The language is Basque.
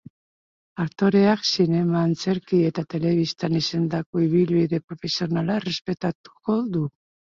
Aktoreak zinema, antzerki eta telebistan izandako ibilbide profesionala errepasatuko du.